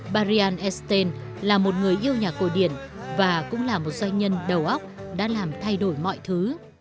baryan esten là một người yêu nhà cổ điển và cũng là một doanh nhân đầu óc đã làm thay đổi mọi thứ